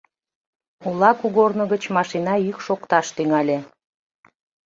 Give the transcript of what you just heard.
Ола кугорно гыч машина йӱк шокташ тӱҥале.